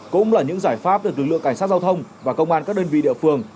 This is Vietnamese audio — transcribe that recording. cũng là những giải pháp được lực lượng cảnh sát giao thông và công an các đơn vị địa phương